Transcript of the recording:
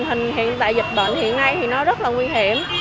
tình hình tại dịch bệnh hiện nay thì nó rất là nguy hiểm